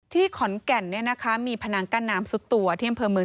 ที่ขอนแก่นเนี้ยนะคะมีพนังกั้นน้ำสัตว์ที่อำเภอเมือง